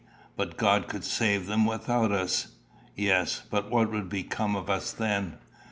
But God could save them without us." "Yes; but what would become of us then?